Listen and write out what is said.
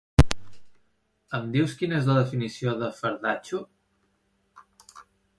Em dius quina és la definició de fardatxo?